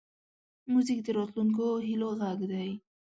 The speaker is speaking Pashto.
موزیک د راتلونکو هیلو غږ دی.